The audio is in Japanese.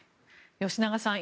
吉永さん